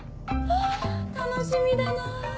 はぁ楽しみだな。